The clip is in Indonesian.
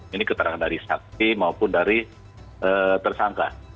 ini keterangan dari saksi maupun dari tersangka